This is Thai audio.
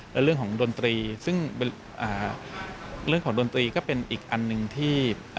และเรื่องของดนตรีซึ่งเป็นเรื่องของดนตรีก็เป็นอีกอันหนึ่งที่